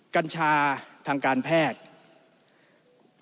กัญชาทางการแพทย์